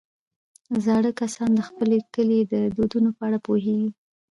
زاړه کسان د خپل کلي د دودونو په اړه پوهېږي